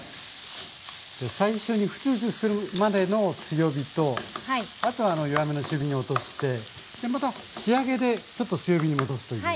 最初にフツフツするまでの強火とあとは弱めの中火に落としてまた仕上げでちょっと強火に戻すという。